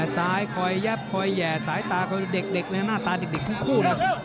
สายคอยแยบคอยแหย่สายตาคอยเด็กหน้าตาเด็กทุกเลย